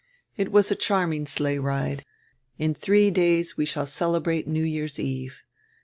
It was a charming sleigh ride. — In three days we shall celehrate New Year's eve.